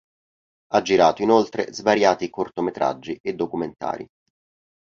Ha girato inoltre svariati cortometraggi e documentari.